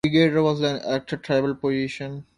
Irrigator was an elected tribal position.